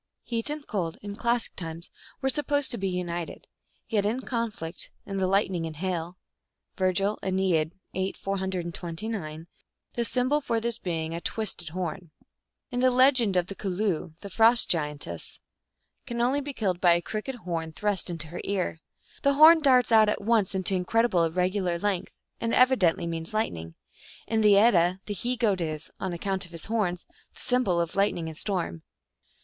Heat and cold, in classic times, were supposed to be united, yet in conflict, in the lightning and hail (Virgil, ^n. VIII. 429), the symbol for this being a twisted horn. In the legend of the Culloo the frost giantess 136 THE ALGONQUIN LEGENDS. can only be killed by a crooked horn thrust into her ear. The horn darts out at once into incredible, irregular length, and evidently means lightning. In the Edda the he goat is, on account of his horns, the symbol of lightning and storm.